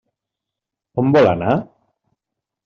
On vol anar?